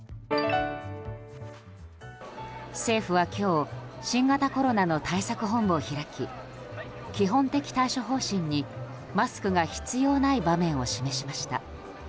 政府は今日新型コロナの対策本部を開き基本的対処方針にマスクが必要ない場面を示しました。